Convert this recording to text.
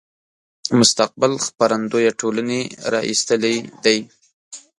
مستقبل خپرندويه ټولنې را ایستلی دی.